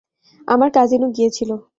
আমার কাজিনও গিয়েছিল!